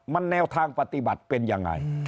มันแนวทางปฏิบัติเป็นยังไง